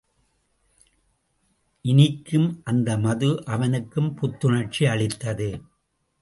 இனிக்கும் அந்த மது அவனுக்குப் புத்துணர்ச்சி அளித்தது.